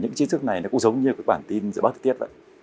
những chi thức này cũng giống như bản tin dự báo thời tiết